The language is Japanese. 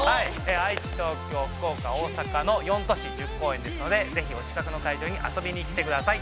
愛知、東京、福岡、大阪の４都市１０公演ですのでぜひお近くの会場に遊びに来てください。